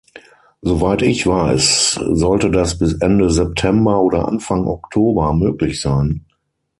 Soweit ich weiß, sollte das bis Ende September oder Anfang Oktober möglich sein.